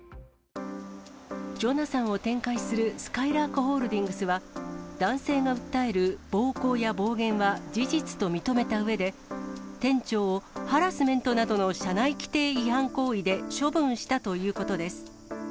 ジョナサンを展開するすかいらーくホールディングスは、男性が訴える暴行や暴言は事実と認めたうえで、店長をハラスメントなどの社内規定違反行為で処分したということです。